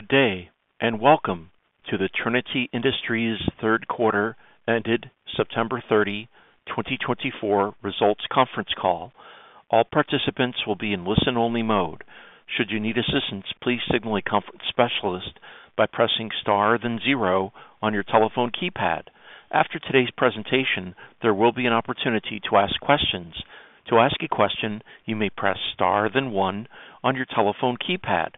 Good day, and welcome to the Trinity Industries third quarter ended September 30, 2024 results conference call. All participants will be in listen-only mode. Should you need assistance, please signal a conference specialist by pressing star then zero on your telephone keypad. After today's presentation, there will be an opportunity to ask questions. To ask a question, you may press star then one on your telephone keypad.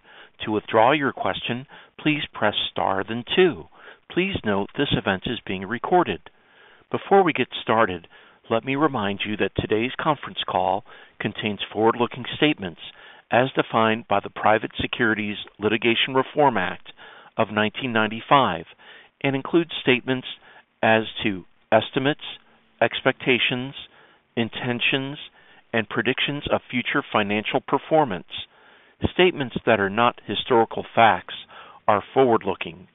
To withdraw your question, please press star then two. Please note this event is being recorded. Before we get started, let me remind you that today's conference call contains forward-looking statements as defined by the Private Securities Litigation Reform Act of 1995 and includes statements as to estimates, expectations, intentions, and predictions of future financial performance. Statements that are not historical facts are forward-looking.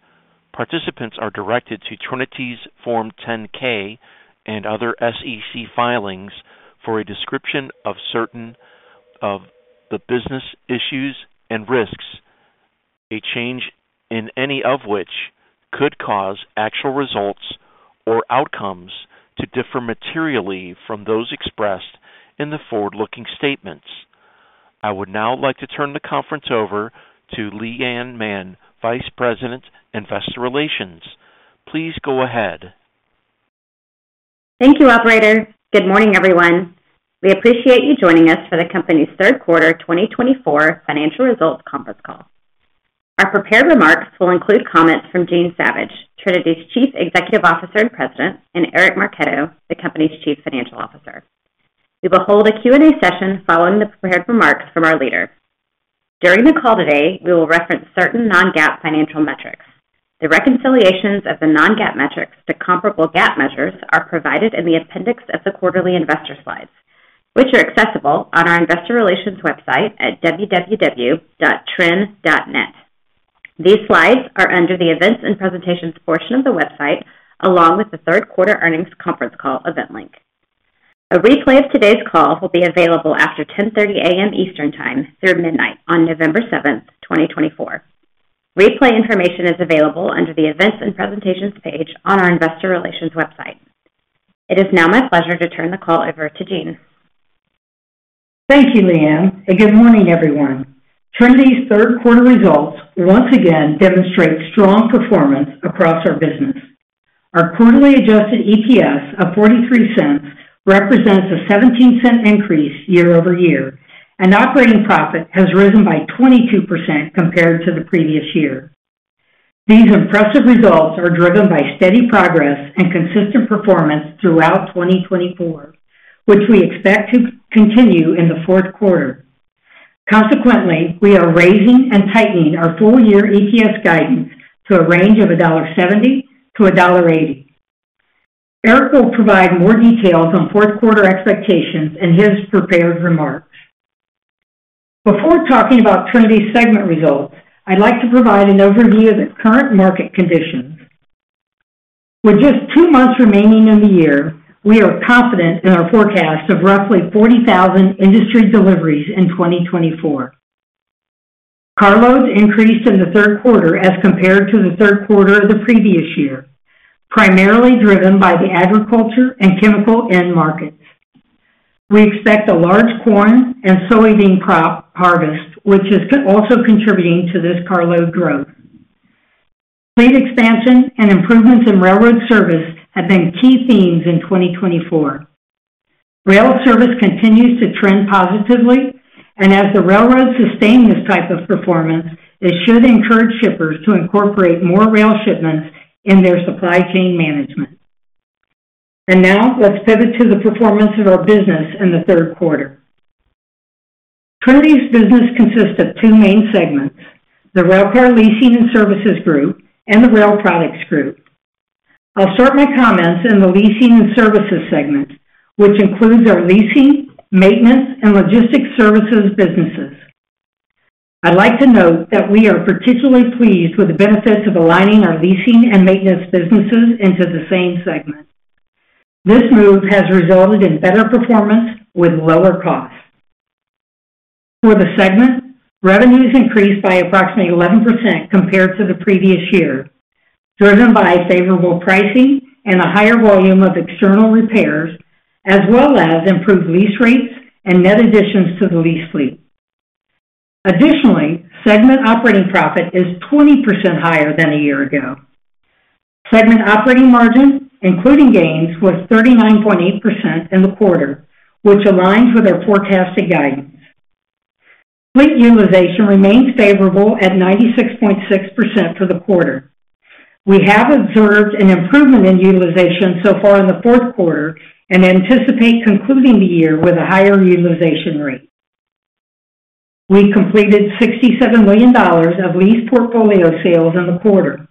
Participants are directed to Trinity's Form 10-K and other SEC filings for a description of certain of the business issues and risks, a change in any of which could cause actual results or outcomes to differ materially from those expressed in the forward-looking statements. I would now like to turn the conference over to Leigh Anne Mann, Vice President, Investor Relations. Please go ahead. Thank you, Operator. Good morning, everyone. We appreciate you joining us for the company's third quarter 2024 financial results conference call. Our prepared remarks will include comments from Jean Savage, Trinity's Chief Executive Officer and President, and Eric Marchetto, the company's Chief Financial Officer. We will hold a Q&A session following the prepared remarks from our leader. During the call today, we will reference certain non-GAAP financial metrics. The reconciliations of the non-GAAP metrics to comparable GAAP measures are provided in the appendix of the quarterly investor slides, which are accessible on our investor relations website at www.trin.net. These slides are under the events and presentations portion of the website, along with the third quarter earnings conference call event link. A replay of today's call will be available after 10:30 A.M. Eastern Time through midnight on November 7th, 2024. Replay information is available under the events and presentations page on our investor relations website. It is now my pleasure to turn the call over to Jean. Thank you, Leigh Anne. Good morning, everyone. Trinity's third quarter results once again demonstrate strong performance across our business. Our quarterly Adjusted EPS of $0.43 represents a $0.17 increase year over year, and operating profit has risen by 22% compared to the previous year. These impressive results are driven by steady progress and consistent performance throughout 2024, which we expect to continue in the fourth quarter. Consequently, we are raising and tightening our full-year EPS guidance to a range of $1.70-$1.80. Eric will provide more details on fourth quarter expectations and his prepared remarks. Before talking about Trinity's segment results, I'd like to provide an overview of the current market conditions. With just two months remaining in the year, we are confident in our forecast of roughly 40,000 industry deliveries in 2024. Carloads increased in the third quarter as compared to the third quarter of the previous year, primarily driven by the agriculture and chemical end markets. We expect a large corn and soybean crop harvest, which is also contributing to this carload growth. Fleet expansion and improvements in railroad service have been key themes in 2024. Rail service continues to trend positively, and as the railroads sustain this type of performance, it should encourage shippers to incorporate more rail shipments in their supply chain management. And now let's pivot to the performance of our business in the third quarter. Trinity's business consists of two main segments: the Railcar Leasing and Services Group and the Rail Products Group. I'll start my comments in the leasing and services segment, which includes our leasing, maintenance, and logistics services businesses. I'd like to note that we are particularly pleased with the benefits of aligning our leasing and maintenance businesses into the same segment. This move has resulted in better performance with lower costs. For the segment, revenues increased by approximately 11% compared to the previous year, driven by favorable pricing and a higher volume of external repairs, as well as improved lease rates and net additions to the lease fleet. Additionally, segment operating profit is 20% higher than a year ago. Segment operating margin, including gains, was 39.8% in the quarter, which aligns with our forecasted guidance. Fleet utilization remains favorable at 96.6% for the quarter. We have observed an improvement in utilization so far in the fourth quarter and anticipate concluding the year with a higher utilization rate. We completed $67 million of lease portfolio sales in the quarter,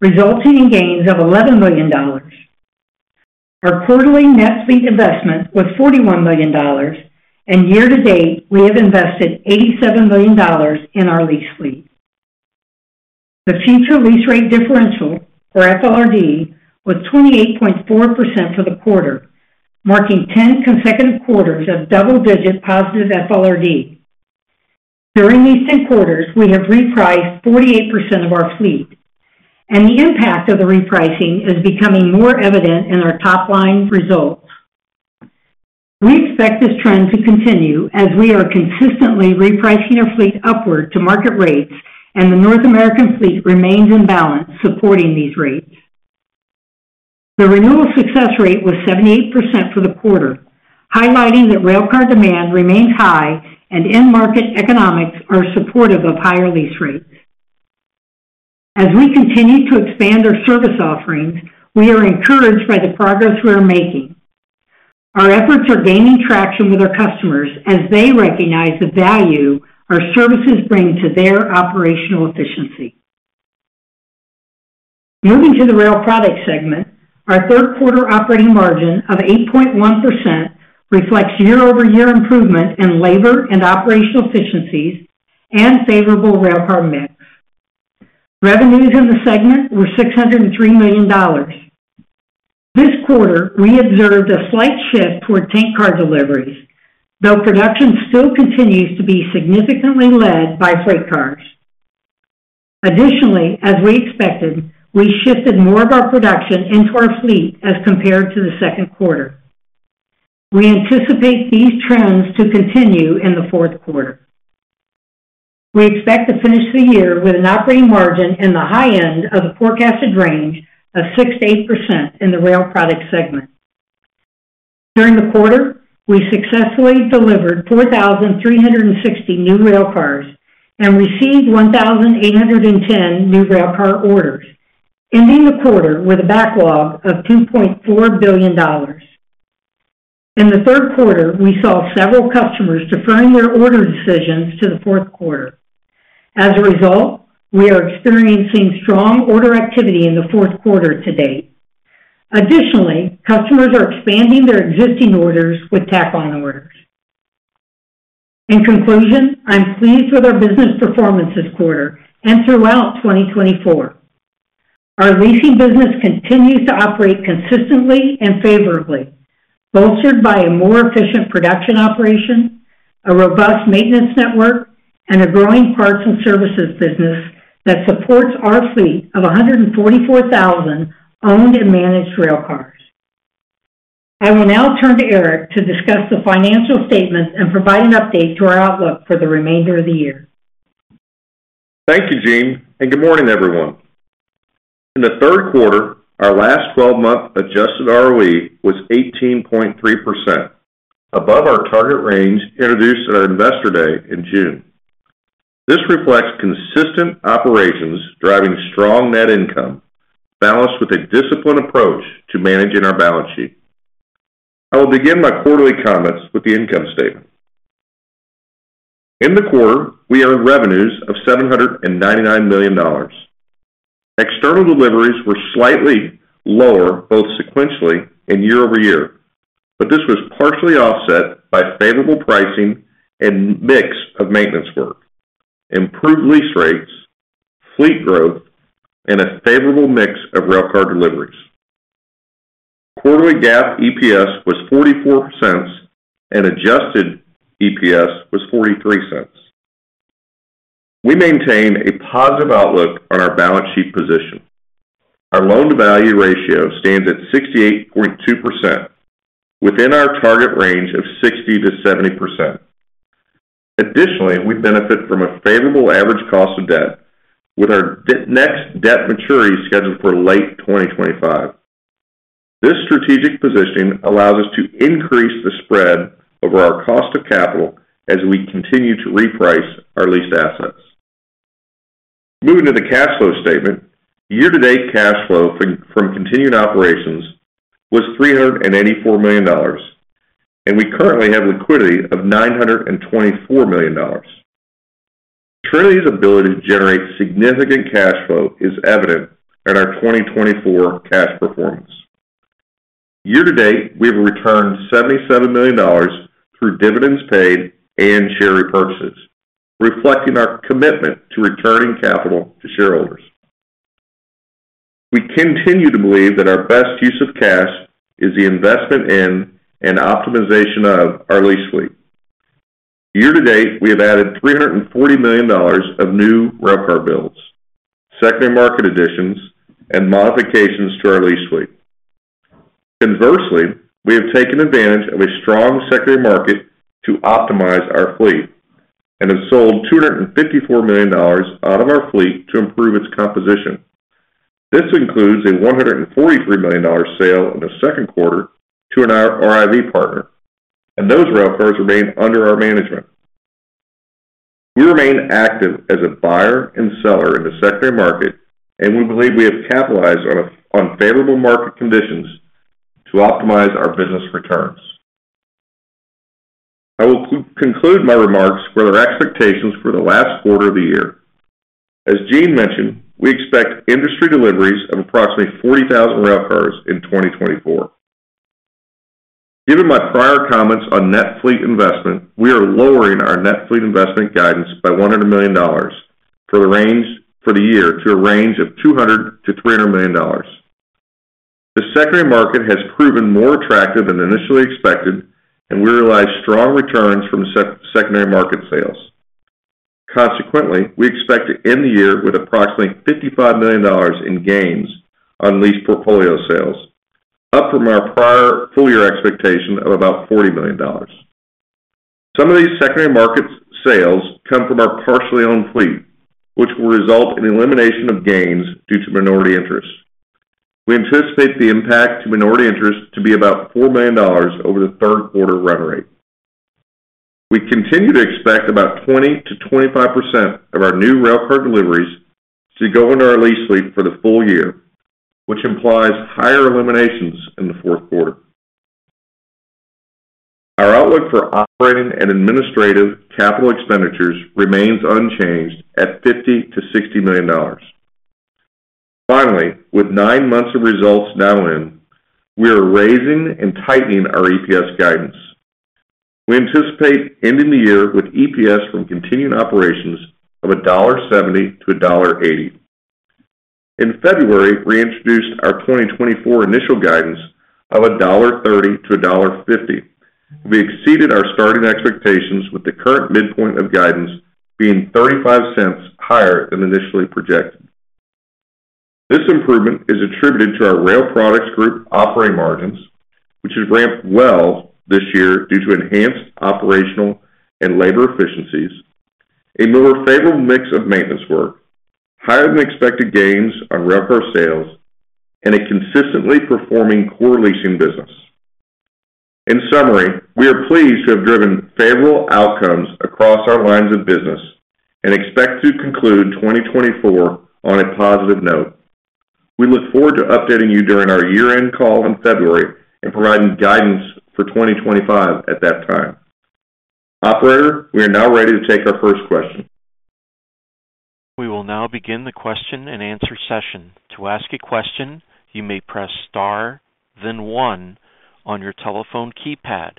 resulting in gains of $11 million. Our quarterly net fleet investment was $41 million, and year to date, we have invested $87 million in our lease fleet. The future lease rate differential, or FLRD was 28.4% for the quarter, marking 10 consecutive quarters of double-digit positive FLRD. During these 10 quarters, we have repriced 48% of our fleet, and the impact of the repricing is becoming more evident in our top-line results. We expect this trend to continue as we are consistently repricing our fleet upward to market rates, and the North American fleet remains in balance supporting these rates. The renewal success rate was 78% for the quarter, highlighting that railcar demand remains high and end market economics are supportive of higher lease rates. As we continue to expand our service offerings, we are encouraged by the progress we are making. Our efforts are gaining traction with our customers as they recognize the value our services bring to their operational efficiency. Moving to the rail product segment, our third quarter operating margin of 8.1% reflects year-over-year improvement in labor and operational efficiencies and favorable railcar mix. Revenues in the segment were $603 million. This quarter, we observed a slight shift toward tank car deliveries, though production still continues to be significantly led by freight cars. Additionally, as we expected, we shifted more of our production into our fleet as compared to the second quarter. We anticipate these trends to continue in the fourth quarter. We expect to finish the year with an operating margin in the high end of the forecasted range of 6%-8% in the rail product segment. During the quarter, we successfully delivered 4,360 new railcars and received 1,810 new railcar orders, ending the quarter with a backlog of $2.4 billion. In the third quarter, we saw several customers deferring their order decisions to the fourth quarter. As a result, we are experiencing strong order activity in the fourth quarter to date. Additionally, customers are expanding their existing orders with tack-on orders. In conclusion, I'm pleased with our business performance this quarter and throughout 2024. Our leasing business continues to operate consistently and favorably, bolstered by a more efficient production operation, a robust maintenance network, and a growing parts and services business that supports our fleet of 144,000 owned and managed railcars. I will now turn to Eric to discuss the financial statements and provide an update to our outlook for the remainder of the year. Thank you, Jean, and good morning, everyone. In the third quarter, our last 12-month adjusted ROE was 18.3%, above our target range introduced at our Investor Day in June. This reflects consistent operations driving strong net income, balanced with a disciplined approach to managing our balance sheet. I will begin my quarterly comments with the income statement. In the quarter, we earned revenues of $799 million. External deliveries were slightly lower both sequentially and year over year, but this was partially offset by favorable pricing and mix of maintenance work, improved lease rates, fleet growth, and a favorable mix of railcar deliveries. Quarterly GAAP EPS was $0.44, and adjusted EPS was $0.43. We maintain a positive outlook on our balance sheet position. Our loan-to-value ratio stands at 68.2%, within our target range of 60%-70%. Additionally, we benefit from a favorable average cost of debt, with our next debt maturity scheduled for late 2025. This strategic positioning allows us to increase the spread over our cost of capital as we continue to reprice our leased assets. Moving to the cash flow statement, year-to-date cash flow from continuing operations was $384 million, and we currently have liquidity of $924 million. Trinity's ability to generate significant cash flow is evident in our 2024 cash performance. Year to date, we have returned $77 million through dividends paid and share repurchases, reflecting our commitment to returning capital to shareholders. We continue to believe that our best use of cash is the investment in and optimization of our lease fleet. Year to date, we have added $340 million of new railcar builds, secondary market additions, and modifications to our lease fleet. Conversely, we have taken advantage of a strong secondary market to optimize our fleet and have sold $254 million out of our fleet to improve its composition. This includes a $143 million sale in the second quarter to an RIV partner, and those railcars remain under our management. We remain active as a buyer and seller in the secondary market, and we believe we have capitalized on favorable market conditions to optimize our business returns. I will conclude my remarks with our expectations for the last quarter of the year. As Jean mentioned, we expect industry deliveries of approximately 40,000 railcars in 2024. Given my prior comments on net fleet investment, we are lowering our net fleet investment guidance by $100 million for the year to a range of $200-$300 million. The secondary market has proven more attractive than initially expected, and we realize strong returns from secondary market sales. Consequently, we expect to end the year with approximately $55 million in gains on lease portfolio sales, up from our prior full-year expectation of about $40 million. Some of these secondary market sales come from our partially owned fleet, which will result in elimination of gains due to minority interest. We anticipate the impact to minority interest to be about $4 million over the third quarter run rate. We continue to expect about 20%-25% of our new railcar deliveries to go into our lease fleet for the full year, which implies higher eliminations in the fourth quarter. Our outlook for operating and administrative capital expenditures remains unchanged at $50-$60 million. Finally, with nine months of results now in, we are raising and tightening our EPS guidance. We anticipate ending the year with EPS from continued operations of $1.70-$1.80. In February, we introduced our 2024 initial guidance of $1.30-$1.50. We exceeded our starting expectations, with the current midpoint of guidance being $0.35 higher than initially projected. This improvement is attributed to our rail products group operating margins, which have ramped well this year due to enhanced operational and labor efficiencies, a more favorable mix of maintenance work, higher than expected gains on railcar sales, and a consistently performing core leasing business. In summary, we are pleased to have driven favorable outcomes across our lines of business and expect to conclude 2024 on a positive note. We look forward to updating you during our year-end call in February and providing guidance for 2025 at that time. Operator, we are now ready to take our first question. We will now begin the question-and-answer session. To ask a question, you may press star, then one on your telephone keypad.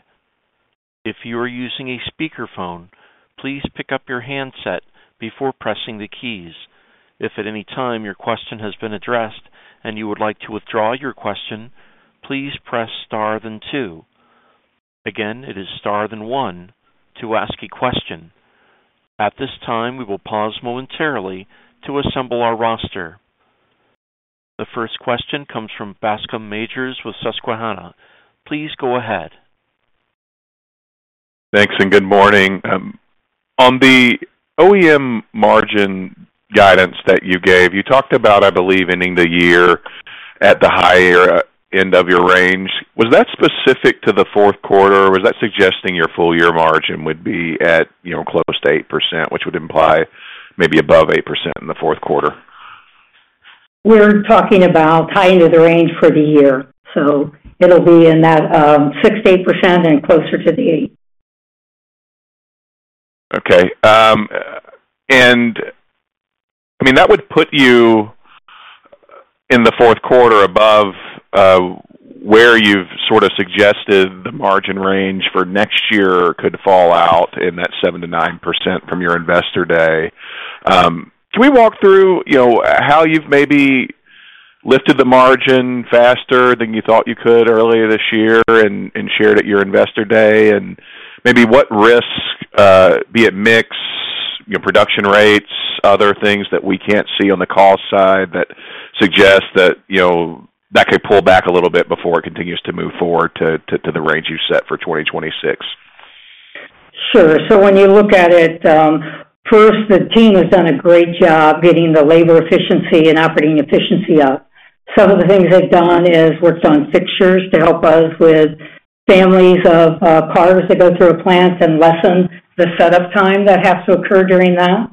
If you are using a speakerphone, please pick up your handset before pressing the keys. If at any time your question has been addressed and you would like to withdraw your question, please press star then two. Again, it is star then one to ask a question. At this time, we will pause momentarily to assemble our roster. The first question comes from Bascom Majors with Susquehanna. Please go ahead. Thanks and good morning. On the OEM margin guidance that you gave, you talked about, I believe, ending the year at the higher end of your range. Was that specific to the fourth quarter, or was that suggesting your full-year margin would be at close to 8%, which would imply maybe above 8% in the fourth quarter? We're talking about high end of the range for the year, so it'll be in that 6%-8% and closer to the 8%. Okay. And I mean, that would put you in the fourth quarter above where you've sort of suggested the margin range for next year could fall out in that 7%-9% from your investor day. Can we walk through how you've maybe lifted the margin faster than you thought you could earlier this year and shared at your investor day? And maybe what risk, be it mix, production rates, other things that we can't see on the call side that suggest that that could pull back a little bit before it continues to move forward to the range you've set for 2026? Sure. So when you look at it, first, the team has done a great job getting the labor efficiency and operating efficiency up. Some of the things they've done is worked on fixtures to help us with families of cars that go through a plant and lessen the setup time that has to occur during that.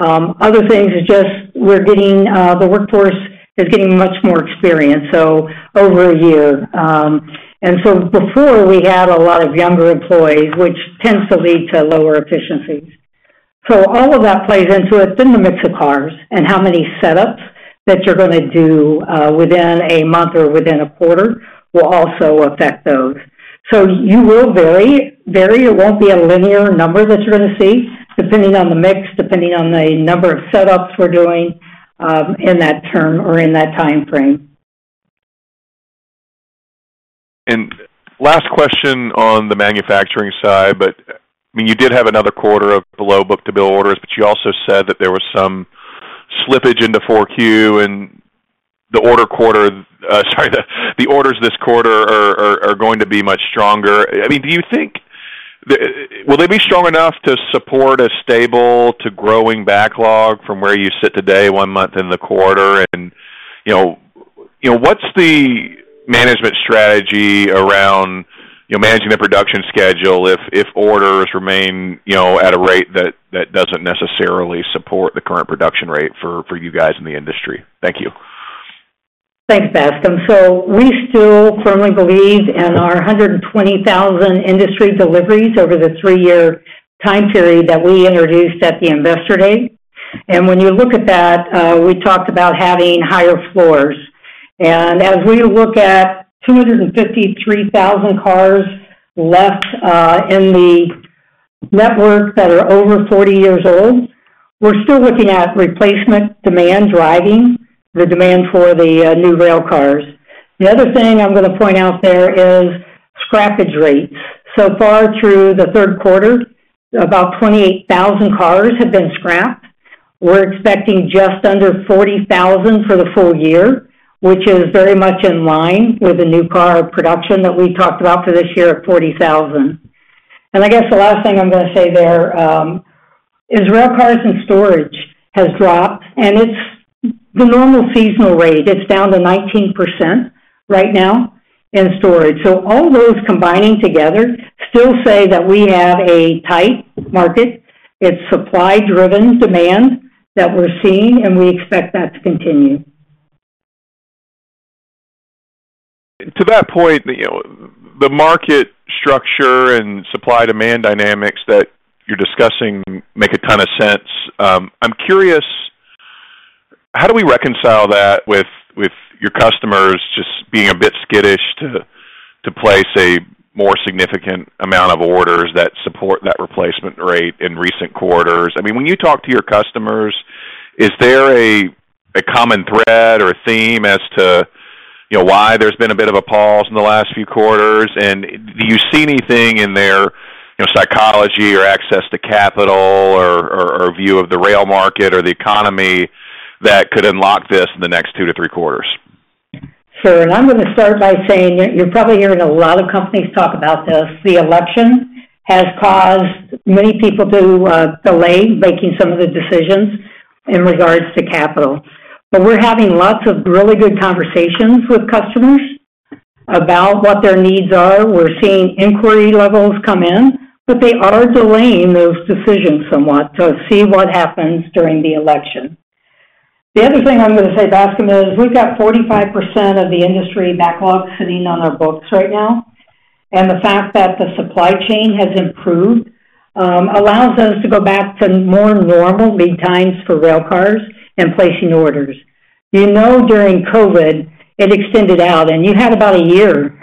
Other things are just the workforce is getting much more experienced, so over a year. And so before, we had a lot of younger employees, which tends to lead to lower efficiencies. So all of that plays into it, then the mix of cars and how many setups that you're going to do within a month or within a quarter will also affect those. So you will vary. It won't be a linear number that you're going to see, depending on the mix, depending on the number of setups we're doing in that term or in that time frame. And last question on the manufacturing side, but I mean, you did have another quarter of below book-to-bill orders, but you also said that there was some slippage into 4Q, and the order quarter sorry, the orders this quarter are going to be much stronger. I mean, do you think will they be strong enough to support a stable to growing backlog from where you sit today, one month in the quarter? And what's the management strategy around managing the production schedule if orders remain at a rate that doesn't necessarily support the current production rate for you guys in the industry? Thank you. Thanks, Bascom. We still firmly believe in our 120,000 industry deliveries over the three-year time period that we introduced at the investor day. When you look at that, we talked about having higher floors. As we look at 253,000 cars left in the network that are over 40 years old, we're still looking at replacement demand driving the demand for the new railcars. The other thing I'm going to point out there is scrappage rates. So far through the third quarter, about 28,000 cars have been scrapped. We're expecting just under 40,000 for the full year, which is very much in line with the new car production that we talked about for this year of 40,000. I guess the last thing I'm going to say there is railcars in storage has dropped, and it's the normal seasonal rate. It's down to 19% right now in storage. All those combining together still say that we have a tight market. It's supply-driven demand that we're seeing, and we expect that to continue. To that point, the market structure and supply-demand dynamics that you're discussing make a ton of sense. I'm curious, how do we reconcile that with your customers just being a bit skittish to place, say, a more significant amount of orders that support that replacement rate in recent quarters? I mean, when you talk to your customers, is there a common thread or theme as to why there's been a bit of a pause in the last few quarters? And do you see anything in their psychology or access to capital or view of the rail market or the economy that could unlock this in the next two to three quarters? Sure. And I'm going to start by saying you're probably hearing a lot of companies talk about this. The election has caused many people to delay making some of the decisions in regards to capital. But we're having lots of really good conversations with customers about what their needs are. We're seeing inquiry levels come in, but they are delaying those decisions somewhat to see what happens during the election. The other thing I'm going to say, Bascom, is we've got 45% of the industry backlog sitting on our books right now. And the fact that the supply chain has improved allows us to go back to more normal lead times for railcar and placing orders. During COVID, it extended out, and you had about a year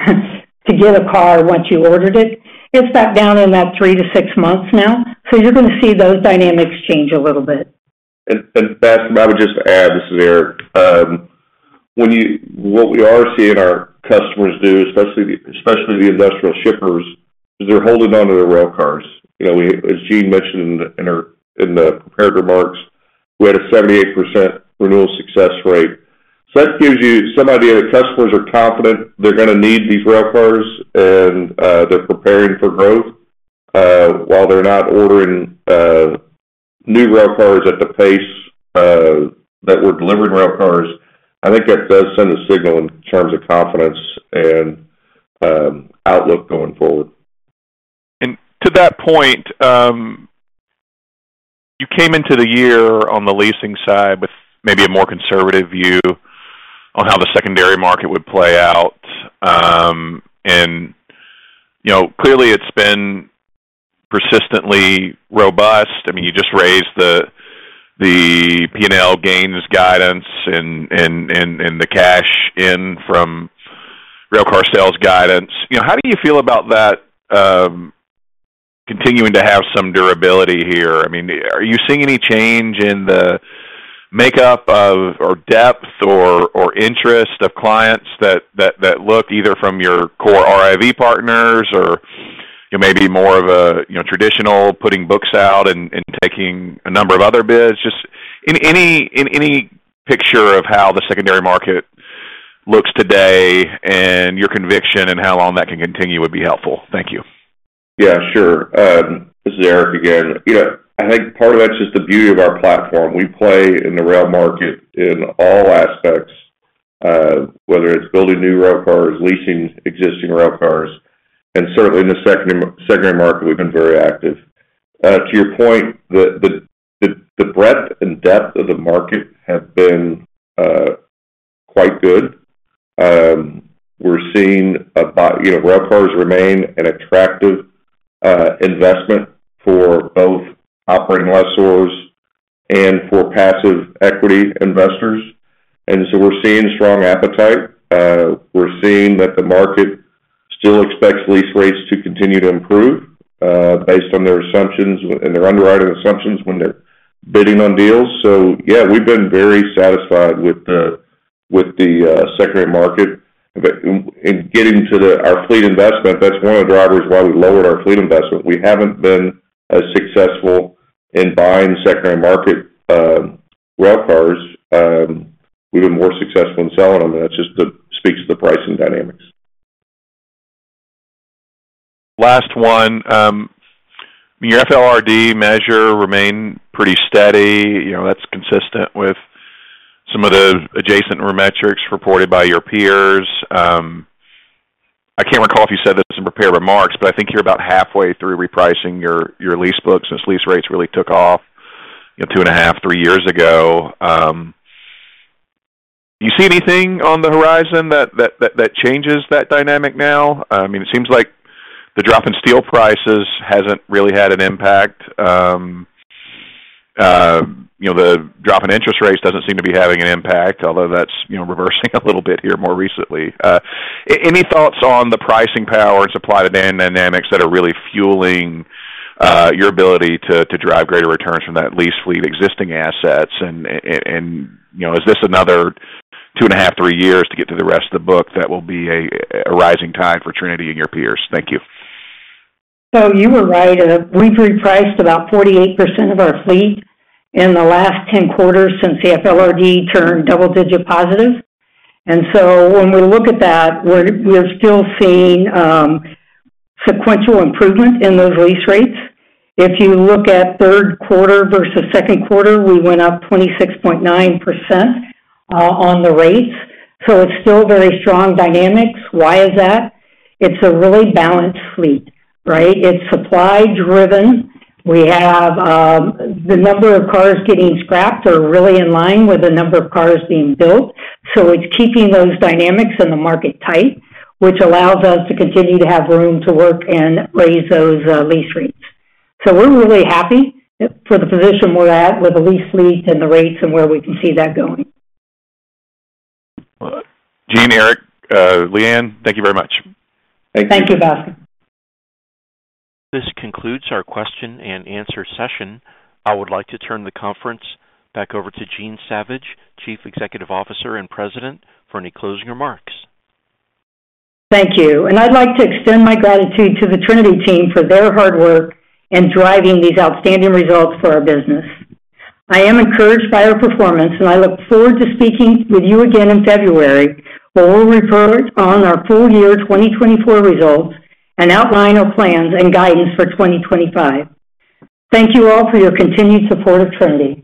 to get a car once you ordered it. It's back down in that three to six months now. So you're going to see those dynamics change a little bit. Bascom, I would just add this is Eric. What we are seeing our customers do, especially the industrial shippers, is they're holding onto their railcars. As Jean mentioned in the prepared remarks, we had a 78% renewal success rate. So that gives you some idea that customers are confident they're going to need these railcars and they're preparing for growth while they're not ordering new railcars at the pace that we're delivering railcars. I think that does send a signal in terms of confidence and outlook going forward. And to that point, you came into the year on the leasing side with maybe a more conservative view on how the secondary market would play out. And clearly, it's been persistently robust. I mean, you just raised the P&L gains guidance and the cash in from railcar sales guidance. How do you feel about that continuing to have some durability here? I mean, are you seeing any change in the makeup or depth or interest of clients that look either from your core RIV partners or maybe more of a traditional putting books out and taking a number of other bids? Just any picture of how the secondary market looks today and your conviction and how long that can continue would be helpful. Thank you. Yeah, sure. This is Eric again. I think part of that's just the beauty of our platform. We play in the rail market in all aspects, whether it's building new railcars, leasing existing railcars, and certainly in the secondary market, we've been very active. To your point, the breadth and depth of the market have been quite good. We're seeing railcars remain an attractive investment for both operating lessors and for passive equity investors. And so we're seeing strong appetite. We're seeing that the market still expects lease rates to continue to improve based on their assumptions and their underwriting assumptions when they're bidding on deals. So yeah, we've been very satisfied with the secondary market. In getting to our fleet investment, that's one of the drivers why we lowered our fleet investment. We haven't been as successful in buying secondary market railcars. We've been more successful in selling them, and that just speaks to the pricing dynamics. Last one. Your FLRD measure remained pretty steady. That's consistent with some of the adjacent metrics reported by your peers. I can't recall if you said this in prepared remarks, but I think you're about halfway through repricing your lease books since lease rates really took off two and a half, three years ago. Do you see anything on the horizon that changes that dynamic now? I mean, it seems like the drop in steel prices hasn't really had an impact. The drop in interest rates doesn't seem to be having an impact, although that's reversing a little bit here more recently. Any thoughts on the pricing power and supply dynamics that are really fueling your ability to drive greater returns from that lease fleet existing assets? Is this another two and a half, three years to get to the rest of the book that will be a rising time for Trinity and your peers? Thank you. So you were right. We've repriced about 48% of our fleet in the last 10 quarters since the FLRD turned double-digit positive. And so when we look at that, we're still seeing sequential improvement in those lease rates. If you look at third quarter versus second quarter, we went up 26.9% on the rates. So it's still very strong dynamics. Why is that? It's a really balanced fleet, right? It's supply-driven. The number of cars getting scrapped are really in line with the number of cars being built. So it's keeping those dynamics in the market tight, which allows us to continue to have room to work and raise those lease rates. So we're really happy for the position we're at with the lease fleet and the rates and where we can see that going. Jean, Eric, Leigh Anne, thank you very much. Thank you. Thank you, Bascom. This concludes our question and answer session. I would like to turn the conference back over to Jean Savage, Chief Executive Officer and President, for any closing remarks. Thank you, and I'd like to extend my gratitude to the Trinity team for their hard work in driving these outstanding results for our business. I am encouraged by our performance, and I look forward to speaking with you again in February where we'll report on our full year 2024 results and outline our plans and guidance for 2025. Thank you all for your continued support of Trinity.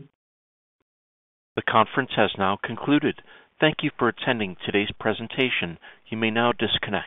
The conference has now concluded. Thank you for attending today's presentation. You may now disconnect.